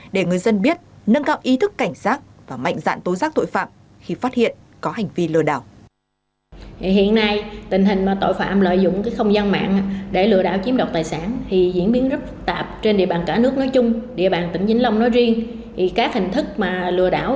để người dân biết nâng cao ý thức cảnh sát và mạnh dạn tố giác tội phạm khi phát hiện có hành vi lừa đảo